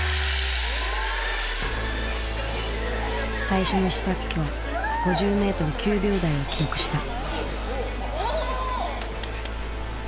最初の試作機は５０メートル９秒台を記録した。